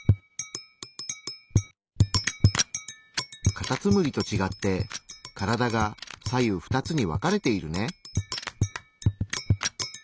カタツムリと違って体が左右２つに分かれているね。